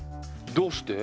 どうして？